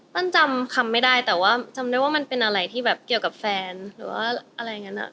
จำคำไม่ได้แต่ว่าจำได้ว่ามันเป็นอะไรที่แบบเกี่ยวกับแฟนหรือว่าอะไรอย่างนั้น